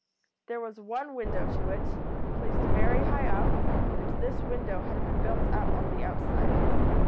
There was one window to it, placed very high up, and this window had been built up on the outside.